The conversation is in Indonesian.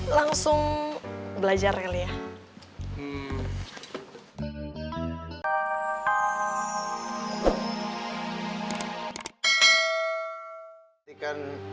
langsung belajar kali ya